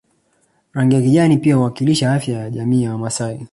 Rangi ya kijani pia huwakilisha afya ya jamii ya Wamasai